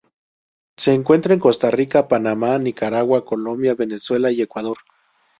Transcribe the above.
Se encuentra en Costa Rica, Panamá, Nicaragua, Colombia, Venezuela y Ecuador.